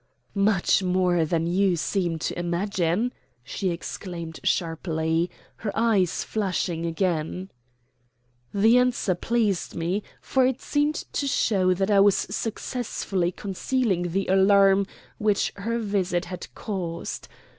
"Much more than you seem to imagine," she exclaimed sharply, her eyes flashing again. The answer pleased me, for it seemed to show that I was successfully concealing the alarm which her visit had caused.